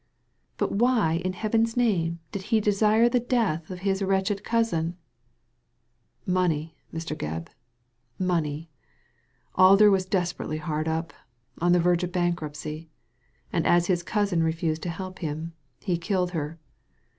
" But why in Heaven's name did he desire the death of his wretched cousin ?" "Money, Mr. Gebb— money. Alder was des perately hard up— on the verge of bankruptcy ; and as his cousin refused to help him, he killed her.